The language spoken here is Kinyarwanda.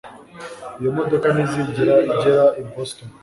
iyi modoka ntizigera igera i boston